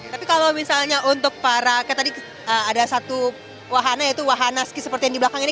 tapi kalau misalnya untuk para kayak tadi ada satu wahana yaitu wahana ski seperti yang di belakang ini